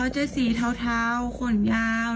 โอ้โหมาแล้ว